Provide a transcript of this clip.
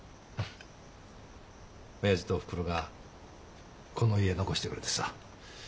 親父とおふくろがこの家残してくれてさ。